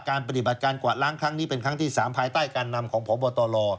ปฏิบัติการกวาดล้างครั้งนี้เป็นครั้งที่๓ภายใต้การนำของพบตร